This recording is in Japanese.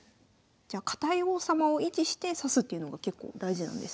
じゃあ堅い王様を維持して指すっていうのが結構大事なんですね。